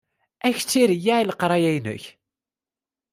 Ad k-tt-ireyyeɛ i leqraya-inek.